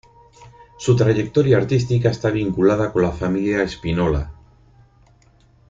Su trayectoria artística está vinculada con la familia Spinola.